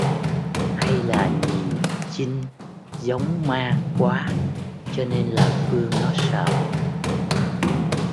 Hay là nhìn chinh giống ma quá cho nên là phương nó sợ